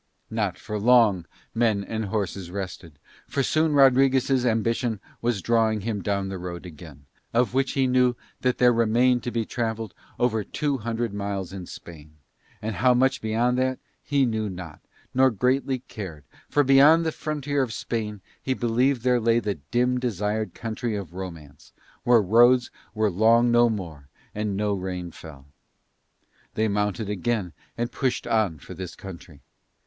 Not for long men and horses rested, for soon Rodriguez' ambition was drawing him down the road again, of which he knew that there remained to be travelled over two hundred miles in Spain, and how much beyond that he knew not, nor greatly cared, for beyond the frontier of Spain he believed there lay the dim, desired country of romance where roads were long no more and no rain fell. They mounted again and pushed on for this country.